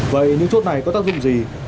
vậy những chốt này có tác dụng gì